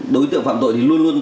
đối tượng phạm tội thì luôn luôn